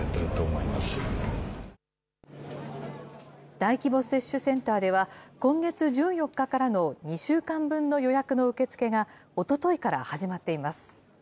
大規模接種センターでは、今月１４日からの２週間分の予約の受け付けがおとといから始まっています。